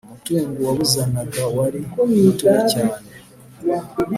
umutungo wabuzanaga wari mutoya cyane,